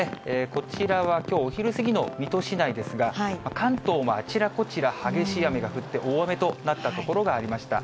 こちらはきょうお昼過ぎの水戸市内ですが、関東もあちらこちら、激しい雨が降って、大雨となった所がありました。